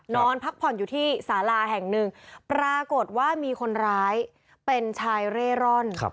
นอนพักผ่อนอยู่ที่สาราแห่งหนึ่งปรากฏว่ามีคนร้ายเป็นชายเร่ร่อน